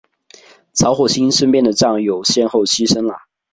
曹火星身边的战友先后牺牲了。